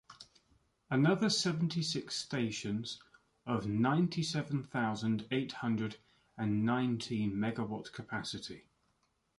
Another seventy-six stations of ninety-seven thousand eight hundred and nineteen megawatt capacity